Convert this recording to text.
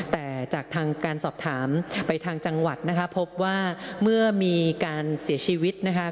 แต่จากทางการสอบถามไปทางจังหวัดนะคะพบว่าเมื่อมีการเสียชีวิตนะคะ